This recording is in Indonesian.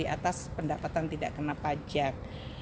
atas pendapatan tidak kena pajak